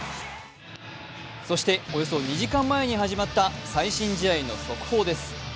そしておよそ２時間前に始まった最新試合の速報です。